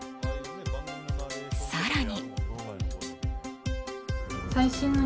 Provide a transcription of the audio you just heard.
更に。